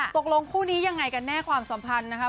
คู่นี้ยังไงกันแน่ความสัมพันธ์นะคะ